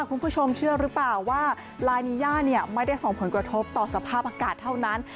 คุณผู้ชมเชื่อหรือเปล่าว่าลายนิย่าไม่ได้ส่งผลกระทบต่อสภาพอากาศเท่านั้น